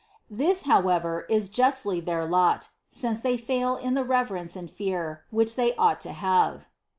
This, however, is justly their lot, since they fail in the reverence and fear, which they ought to have."